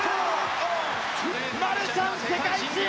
マルシャン、世界新！